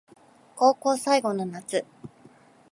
高校最後の夏